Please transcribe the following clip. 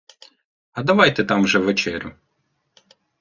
- А давайте там вже вечерю...